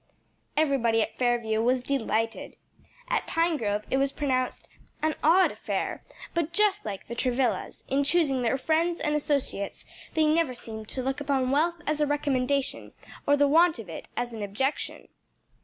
Everybody at Fairview was delighted. At Pinegrove it was pronounced "an odd affair," but just like the Travillas; in choosing their friends and associates they never seemed to look upon wealth as a recommendation, or the want of it as an objection.